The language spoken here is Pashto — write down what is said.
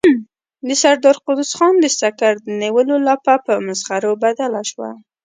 د سردار قدوس خان د سکر د نيولو لاپه په مسخرو بدله شوه.